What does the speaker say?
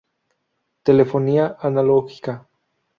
Telefonía Analógica.